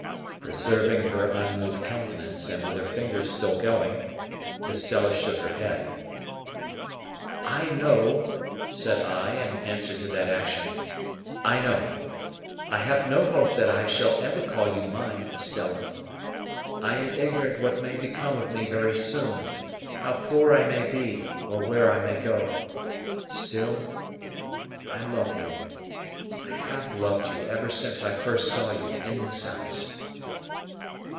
Preserving her unmoved countenance, and with her fingers still going, Estella shook her head. "I know," said I, in answer to that action,—"I know. I have no hope that I shall ever call you mine, Estella. I am ignorant what may become of me very soon, how poor I may be, or where I may go. Still, I love you. I have loved you ever since I first saw you in this house."